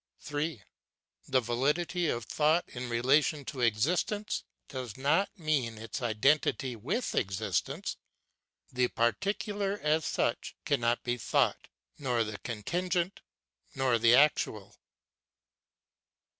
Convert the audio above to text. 3. The validity of thought in relation to existence does not mean its identity with existence. The particular as such cannot be thought, nor the contingent, nor the actual.